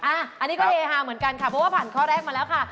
อันนี้ก็เฮฮาเหมือนกันค่ะเพราะว่าผ่านข้อแรกมาแล้วค่ะ